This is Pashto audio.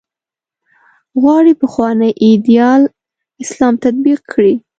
غواړي پخوانی ایدیال اسلام تطبیق کړي.